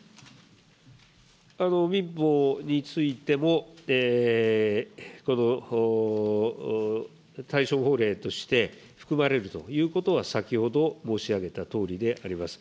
民法についても、対象法令として含まれるということは先ほど、申し上げたとおりであります。